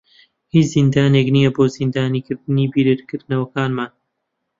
هیچ زیندانێک نییە بۆ زیندانیکردنی بیرکردنەوەکانمان.